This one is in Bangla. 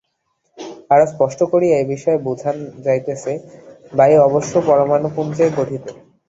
আরও স্পষ্ট করিয়া এই বিষয় বুঝান যাইতেছে বায়ু অবশ্য পরমাণুপুঞ্জে গঠিত।